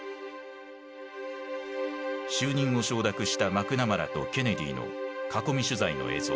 就任を承諾したマクナマラとケネディの囲み取材の映像である。